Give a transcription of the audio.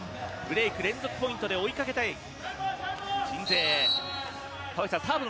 ブレーク、連続ポイントで追いかけたい。